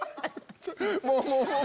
もうもうもう！